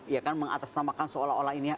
ya kan mengatasnamakan seolah olah ini